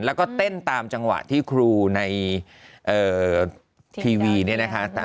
แล้วก็เต้นตามจังหวะที่ครูในทีวีเนี่ยนะคะ